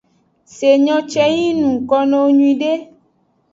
Se nyo ce ng nuko nowo nyuiede.